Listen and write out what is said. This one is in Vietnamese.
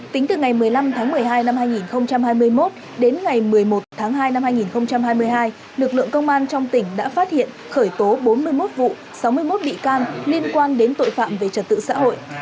tính từ ngày một mươi năm tháng một mươi hai năm hai nghìn hai mươi một đến ngày một mươi một tháng hai năm hai nghìn hai mươi hai lực lượng công an trong tỉnh đã phát hiện khởi tố bốn mươi một vụ sáu mươi một bị can liên quan đến tội phạm về trật tự xã hội